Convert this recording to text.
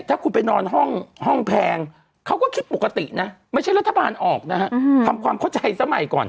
ถ้าคุณไปนอนห้องแพงเขาก็คิดปกตินะไม่ใช่รัฐบาลออกนะฮะทำความเข้าใจสมัยก่อน